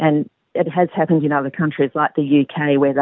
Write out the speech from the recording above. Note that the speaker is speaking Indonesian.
dan itu telah terjadi di negara lain seperti di amerika